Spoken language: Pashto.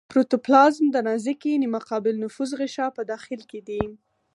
پروتوپلازم د نازکې نیمه قابل نفوذ غشا په داخل کې دی.